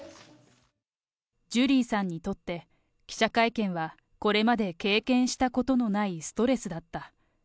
ジュリーさんにとって、記者会見はこれまで経験したことのないストレスだった。